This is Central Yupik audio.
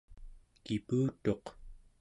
kiputuq